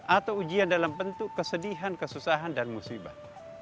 atau ujian dalam bentuk kesedihan kesusahan dan musibah